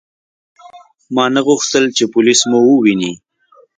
ما نه غوښتل چې پولیس مو وویني.